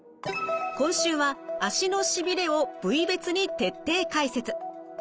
今週は足のしびれを部位別に徹底解説。